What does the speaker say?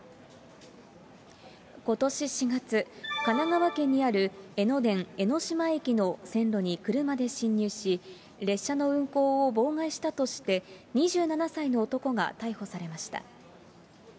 ことし４月、神奈川県にある江ノ電江ノ島駅の線路に車で進入し、列車の運行を妨害したとして、２７歳の男が逮捕されました。